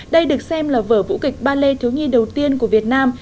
đây được xem là vở vũ kịch ballet thiếu nhi đầu tiên của việt nam